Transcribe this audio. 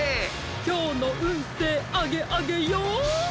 きょうのうんせいアゲアゲよ。